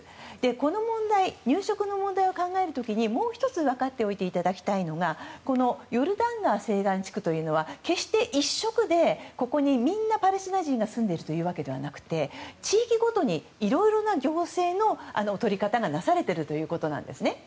この入植地の問題を考える時にもう１つ分かっておいていただきたいのがヨルダン川西岸地区は決して一色でここにみんなパレスチナ人が住んでいるというわけではなくて地域ごとにいろいろな行政の取り方がなされているということです。